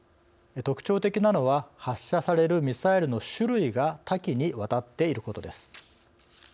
特徴的なのは発射されるミサイルの種類が多岐にわたっていることです。